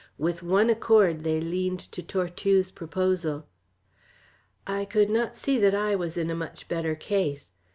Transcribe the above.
With one accord they leaned to Tortue's proposal. I could not see that I was in a much better case.